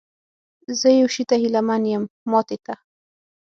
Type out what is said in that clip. زه یو شي ته هیله من یم، ماتې ته؟